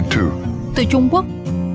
từ trung quốc